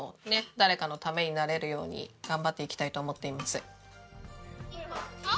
誰かのためになれるように頑張っていきたいと思っています。